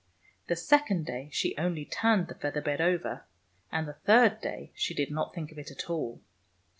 The second day she only turned the feather bed over; and the third day she did not think of it at all.